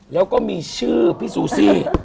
แล้วก็มีชื่อพี่ซูซี่